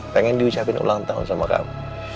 pengen diucapin ulang tahun sama kamu